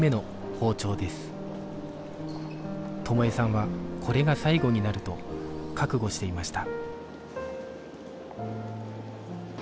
友枝さんはこれが最後になると覚悟していました